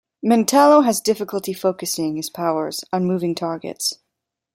Mentallo has difficulty focusing his powers on moving targets.